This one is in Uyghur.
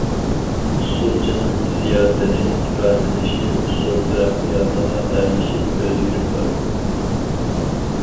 ئۇسسۇلچىنىڭ ھېسسىياتنى ئىپادىلىشى ئۇسسۇل تەرەققىياتىغا ئەگىشىپ ئۆزگىرىپ بارىدۇ.